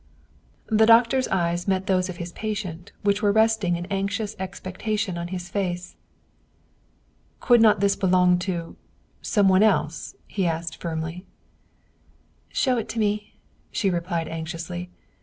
The doctor's eyes met those of his patient, which were resting in anxious expectation on his face. " Could not this belong to some one else ?" he asked firmly. " Show it to me," she replied anxiously.